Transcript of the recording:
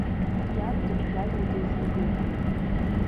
Иан дыгәжәажәо дихагылоуп.